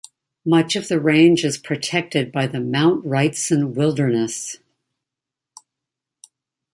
Much of the range is protected by the Mount Wrightson Wilderness.